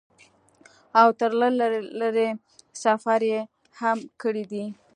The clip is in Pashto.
او تر لرې لرې سفرې هم کړي دي ۔